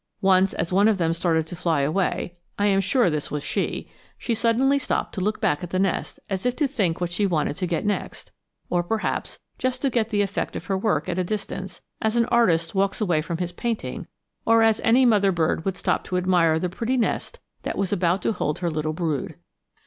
Once as one of them started to fly away I am sure this was she she suddenly stopped to look back at the nest as if to think what she wanted to get next; or, perhaps, just to get the effect of her work at a distance, as an artist walks away from his painting; or as any mother bird would stop to admire the pretty nest that was to hold her little brood.